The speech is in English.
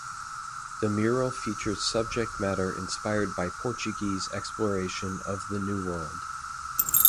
The mural features subject matter inspired by Portuguese exploration of the New World.